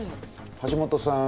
橋本さん